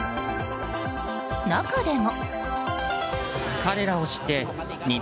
中でも。